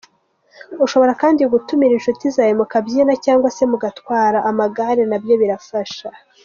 Ushobora kandi gutumira inshuti zawe mukabyina cyangwa se mugatwara amagare nabyo birafasha.